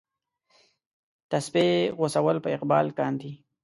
تسپې غوڅول په اقبال کاندي.